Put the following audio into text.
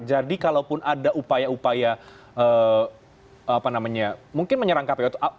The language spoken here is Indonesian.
jadi kalau pun ada upaya upaya mungkin menyerang kpu itu